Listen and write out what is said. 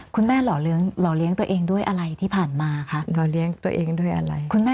หล่อเลี้ยงตัวเองด้วยอะไรที่ผ่านมาคะหล่อเลี้ยงตัวเองด้วยอะไรคุณแม่